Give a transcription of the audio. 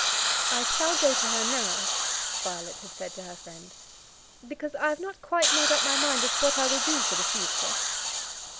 "I shall go to her now," Violet had said to her friend, "because I have not quite made up my mind as to what I will do for the future."